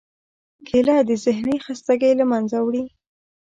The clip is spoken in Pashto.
کېله د ذهنی خستګۍ له منځه وړي.